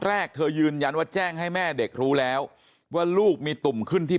แรกเธอยืนยันว่าแจ้งให้แม่เด็กรู้แล้วว่าลูกมีตุ่มขึ้นที่